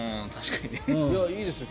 いいですね。